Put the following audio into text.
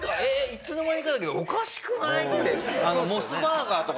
いつの間にかだけどおかしくない？って。